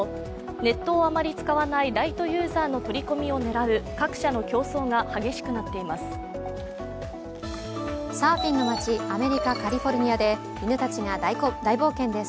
ネットをあまり使わないライトユーザーの取り込みを狙う各社の競争が激しくなっています。